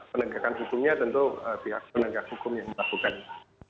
penegakan hukumnya tentu pihak penegak hukum yang melakukannya